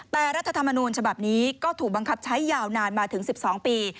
แต่รัฐธรรมนูญฉบับนี้ก็ถูกบังคับใช้ยาวนานมาถึง๑๒ปี